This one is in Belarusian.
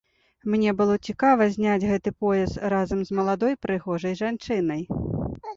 Мне было цікава зняць гэты пояс разам з маладой прыгожай жанчынай.